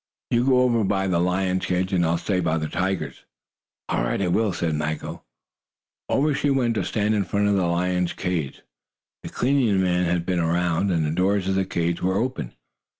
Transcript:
"You go over by the lion's cage, and I'll stay by the tiger's." "All right, I will," said Maggo. Over she went to stand in front of the lion's cage. The cleaning man had been around, and the doors of the cages were open.